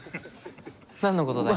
何のことだい？